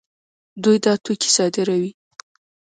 دوی دا توکي صادروي.